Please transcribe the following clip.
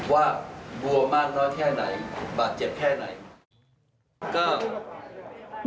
ว่าบัวมากน้อยแค่ไหนบาดเจ็บแค่ไหน